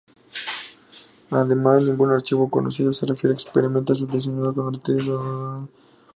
Además, ningún archivo conocido se refiere explícitamente a sus diseñadores, contratistas, constructores y decoradores.